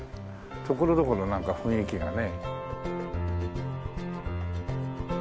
ところどころなんか雰囲気がね。